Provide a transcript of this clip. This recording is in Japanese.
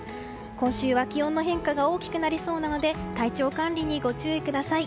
今週は気温の変化が大きくなりそうなので体調管理にご注意ください。